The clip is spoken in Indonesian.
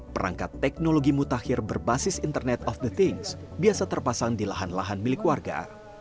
perangkat teknologi mutakhir berbasis internet of the things biasa terpasang di lahan lahan milik warga